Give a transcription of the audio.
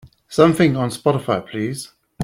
something on Spotify please